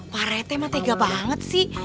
pak rete mah tega banget sih